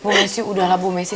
bu messi udahlah bu messi